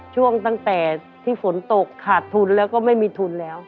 ช่วงตั้งแต่ที่ฝนตกขาดทุนแล้วก็ไม่มีทุนแล้ว